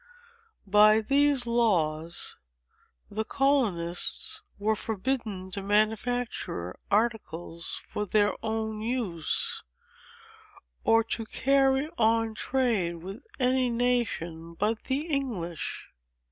By these laws, the colonists were forbidden to manufacture articles for their own use, or to carry on trade with any nation but the English.